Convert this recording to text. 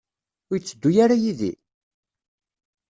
Ur yetteddu ara yid-i?